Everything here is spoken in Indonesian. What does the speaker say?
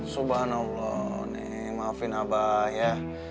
subhanallah nih maafin abah ya